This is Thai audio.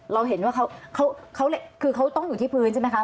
เราเห็นว่าเขาคือเขาต้องอยู่ที่พื้นใช่ไหมคะ